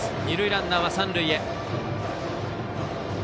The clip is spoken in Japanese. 二塁ランナーは三塁へ。